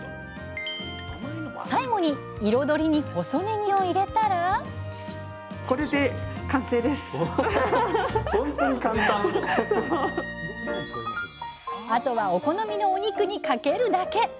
最後に彩りに細ねぎを入れたらあとはお好みのお肉にかけるだけ！